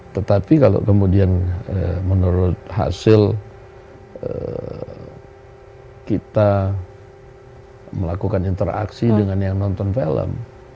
tetapi kalau kemudian menurut hasil kita melakukan interaksi dengan yang nonton film